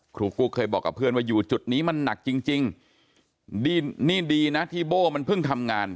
ครูกุ๊กเคยบอกกับเพื่อนว่าอยู่จุดนี้มันหนักจริงจริงนี่ดีนะที่โบ้มันเพิ่งทำงาน